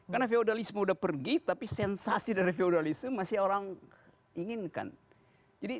karena feudalisme udah pergi tapi sensasi dari feudalisme masih orang inginkan jadi